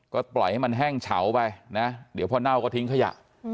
ก็ปล่อยให้มันแห้งเฉาไปนะเดี๋ยวพอเน่าก็ทิ้งขยะ